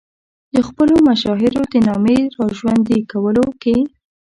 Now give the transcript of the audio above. د خپلو مشاهیرو د نامې را ژوندي کولو کې.